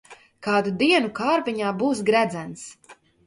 Kādu dienu kārbiņā būs gredzens.